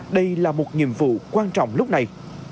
đây là một nhiệm vụ quan trọng lúc này